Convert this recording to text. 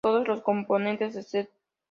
Todos los componentes de St.